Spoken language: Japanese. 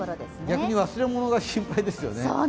逆に忘れ物が心配ですよね。